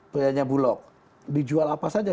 punya bulog dijual apa saja